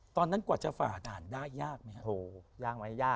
ตอนนั้นกว่าจะฝากอ่านได้ยากไหมฮะ